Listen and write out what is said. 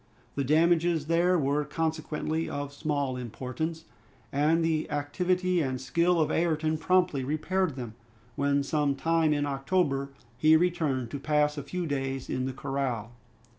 The damages there were consequently of small importance, and the activity and skill of Ayrton promptly repaired them, when some time in October he returned to pass a few days in the corral.